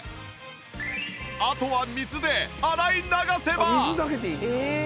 あとは水で洗い流せば